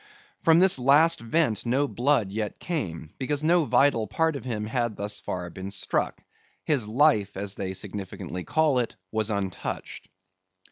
From this last vent no blood yet came, because no vital part of him had thus far been struck. His life, as they significantly call it, was untouched.